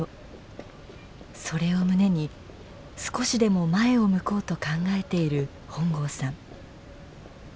それを胸に少しでも前を向こうと考えている本郷さん。